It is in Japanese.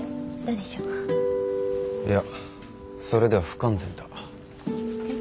いやそれでは不完全だ。